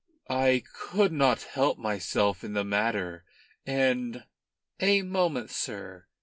"I could not help myself in the matter, and " "A moment, sir.